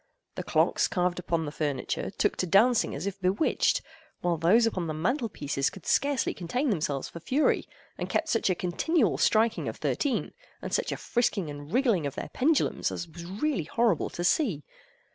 The clocks carved upon the furniture took to dancing as if bewitched, while those upon the mantel pieces could scarcely contain themselves for fury, and kept such a continual striking of thirteen, and such a frisking and wriggling of their pendulums as was really horrible to see.